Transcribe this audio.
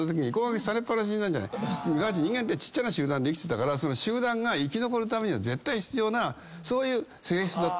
人間ってちっちゃな集団で生きてて集団が生き残るために絶対必要なそういう性質だった。